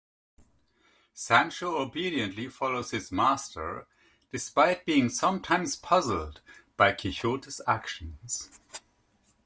Sancho obediently follows his master, despite being sometimes puzzled by Quixote's actions.